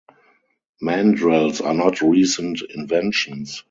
Mandrels are not recent inventions.